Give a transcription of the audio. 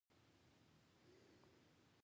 استاد حبیب الله رفیع د پښتو ژبې شپږم ستوری دی.